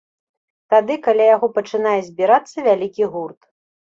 Тады каля яго пачынае збірацца вялікі гурт.